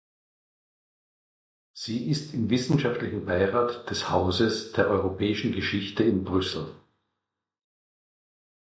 Sie ist im Wissenschaftlichen Beirat des Hauses der Europäischen Geschichte in Brüssel.